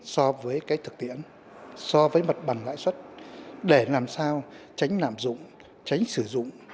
so với cái thực tiễn so với mặt bằng lãi suất để làm sao tránh lạm dụng tránh sử dụng